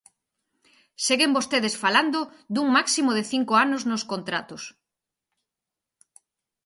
Seguen vostedes falando dun máximo de cinco anos nos contratos.